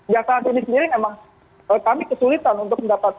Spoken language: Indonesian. yang saat ini sendiri memang kami kesulitan untuk mendapatkan